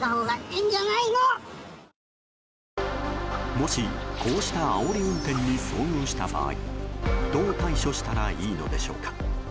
もし、こうしたあおり運転に遭遇した場合どう対処したらいいのでしょうか。